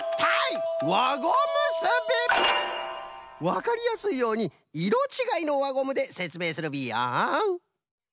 わかりやすいようにいろちがいのわゴムでせつめいするビヨン。